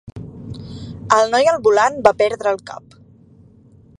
El noi al volant va perdre el cap.